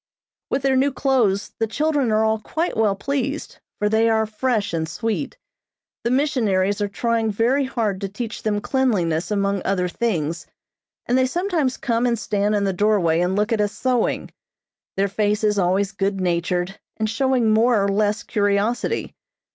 With their new clothes, the children are all quite well pleased, for they are fresh and sweet. The missionaries are trying very hard to teach them cleanliness among other things, and they sometimes come and stand in the doorway and look at us sewing, their faces always good natured, and showing more or less curiosity.